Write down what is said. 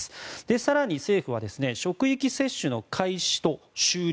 更に政府は職域接種の開始と終了